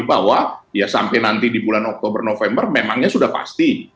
bahwa ya sampai nanti di bulan oktober november memangnya sudah pasti